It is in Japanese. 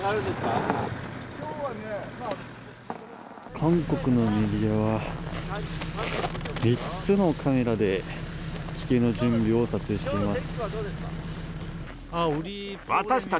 韓国のメディアは３つのカメラで撮影の準備をしています。